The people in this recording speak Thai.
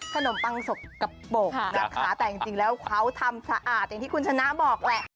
ปังสกกระปกนะคะแต่จริงแล้วเขาทำสะอาดอย่างที่คุณชนะบอกแหละ